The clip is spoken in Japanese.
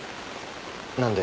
何で？